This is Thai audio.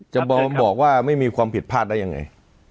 จะบอกว่าไม่มีความผิดพลาดได้ยังไง